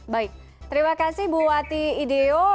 baik terima kasih bu wati ideo